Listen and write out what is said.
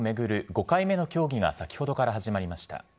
５回目の協議が先ほどから始まりました。